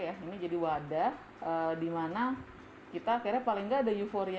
cuman kalau untuk di sekarang ini jadi wadah sih menurut saya